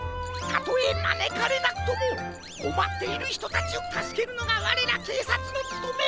たとえまねかれなくともこまっているひとたちをたすけるのがわれらけいさつのつとめ。